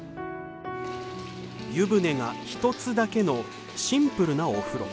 湯船が１つだけのシンプルなお風呂。